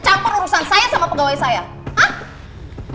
campur urusan saya sama pegawai saya